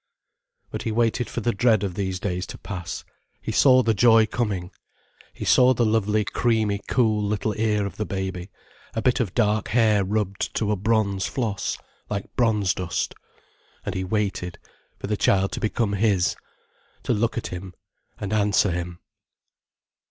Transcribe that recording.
But he waited for the dread of these days to pass; he saw the joy coming. He saw the lovely, creamy, cool little ear of the baby, a bit of dark hair rubbed to a bronze floss, like bronze dust. And he waited, for the child to become his, to look at him and answer him.